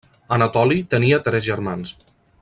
Anatoli tenia tres germans.